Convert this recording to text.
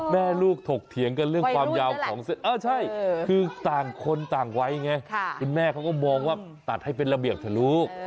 แม่ลูกถกเถียงกันเรื่องความยาวของเส้นเออใช่คือต่างคนต่างไว้ไงคุณแม่เขาก็มองว่าตัดให้เป็นระเบียบเถอะลูก